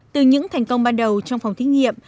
từ những thành công ban đầu trong phòng thí nghiệm